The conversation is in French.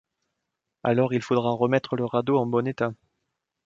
Alors il faudra remettre le radeau en bon état.